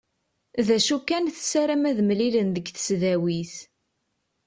D acu kan tessaram ad mlilen deg tesdawit.